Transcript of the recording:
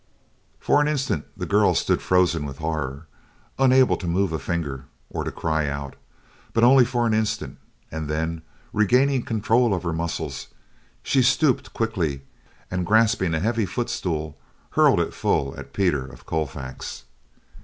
For an instant, the girl stood frozen with horror, unable to move a finger or to cry out; but only for an instant, and then, regaining control of her muscles, she stooped quickly and, grasping a heavy foot stool, hurled it full at Peter of Colfax.